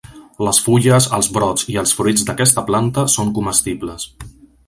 Les fulles, els brots i els fruits d'aquesta planta són comestibles.